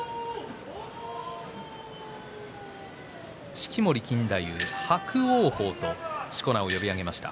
式守錦太夫伯桜鵬としこ名を呼び上げました。